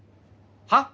はっ！？